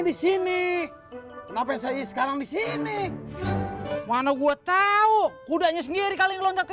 disini kenapa saya sekarang disini mana gua tahu kudanya sendiri kali loncat ke